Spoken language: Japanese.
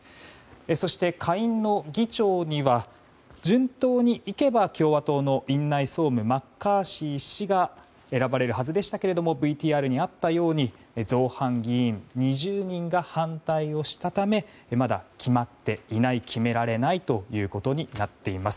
そして、下院の議長には順当に行けば共和党の院内総務マッカーシー氏が選ばれるはずでしたがＶＴＲにあったように造反議員２０人が反対をしたためまだ決まっていない決められないということになっています。